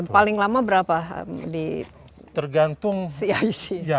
paling lama berapa di cic